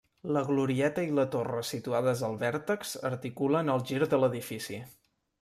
La glorieta i la torre situades al vèrtex articulen el gir de l'edifici.